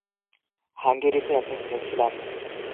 হাঙ্গেরিতে একটা কিনেছিলাম।